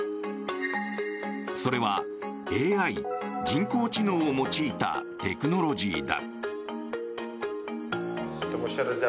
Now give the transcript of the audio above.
それはＡＩ・人工知能を用いたテクノロジーだ。